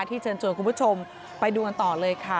เชิญชวนคุณผู้ชมไปดูกันต่อเลยค่ะ